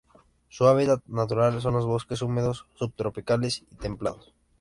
Su hábitat natural son los bosques húmedos subtropicales y templados.